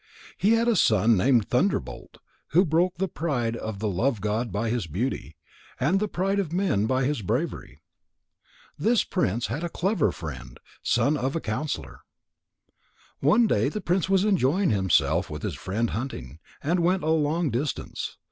He had a son named Thunderbolt who broke the pride of the love god by his beauty, and the pride of men by his bravery. This prince had a clever friend, the son of a counsellor. One day the prince was enjoying himself with his friend hunting, and went a long distance.